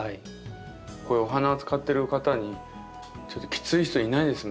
こういうお花を扱ってる方にきつい人いないですもんね。